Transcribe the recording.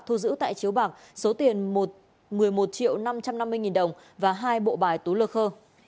thu giữ tại chiếu bạc số tiền một mươi một triệu năm trăm năm mươi nghìn đồng và hai bộ bài tú lơ khơ